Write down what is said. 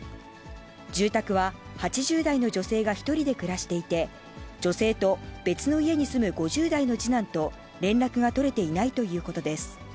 住宅は８０代の女性が１人で暮らしていて、女性と別の家に住む５０代の次男と連絡が取れていないということです。